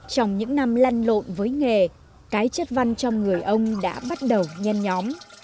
trong những năm lăn lộn với nghề cái chất văn trong người ông đã bắt đầu nhen nhóm